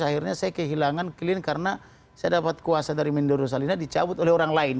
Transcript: akhirnya saya kehilangan klien karena saya dapat kuasa dari mendoro salina dicabut oleh orang lain